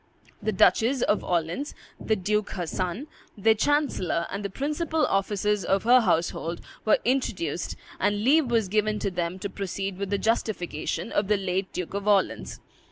The Duchess of Orleans, the Duke her son, their chancellor, and the principal officers of her household were introduced, and leave was given them to proceed with the justification of the late Duke of Orleans.